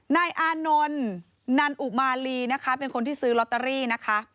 นายอานนท์นนันอุมาลีนะคะเป็นคนที่ซื้อลอตเตอรี่นะคะ